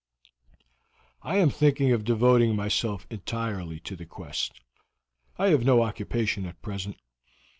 "I am thinking of devoting myself entirely to the quest. I have no occupation at present.